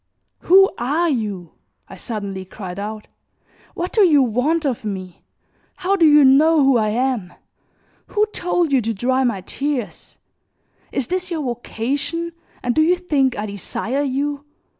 "Who are you?" I suddenly cried out; "what do you want of me? How do you know who I am? Who told you to dry my tears? Is this your vocation and do you think I desire you?